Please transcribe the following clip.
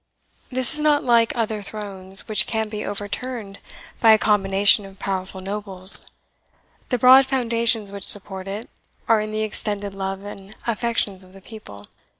This is not like other thrones, which can be overturned by a combination of powerful nobles; the broad foundations which support it are in the extended love and affections of the people.